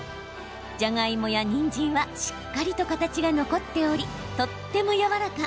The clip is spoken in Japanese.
じゃがいもや、にんじんはしっかりと形が残っておりとってもやわらか。